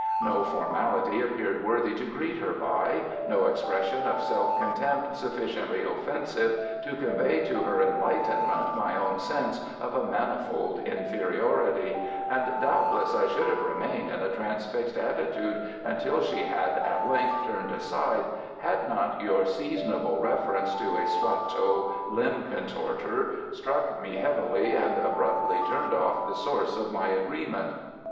No formality appeared worthy to greet her by, no expression of self contempt sufficiently offensive to convey to her enlightenment my own sense of a manifold inferiority, and doubtless I should have remained in a transfixed attitude until she had at length turned aside, had not your seasonable reference to a Swatow limb contorter struck me heavily and abruptly turned off the source of my agreement.